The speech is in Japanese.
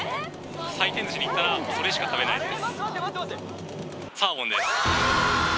回転ずし行ったら、それしか食べないです。